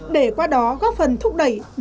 để qua đó góp phần thúc đẩy nền kinh tế phục hồi